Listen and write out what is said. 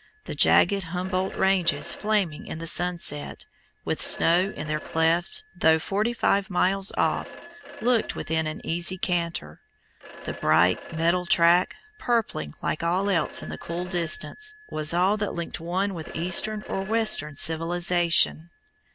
The jagged Humboldt ranges flaming in the sunset, with snow in their clefts, though forty five miles off, looked within an easy canter. The bright metal track, purpling like all else in the cool distance, was all that linked one with Eastern or Western civilization.